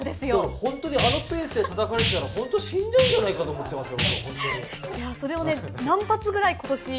本当にあのペースでたたかれたら本当に死んでるんじゃないかと思ってますよ。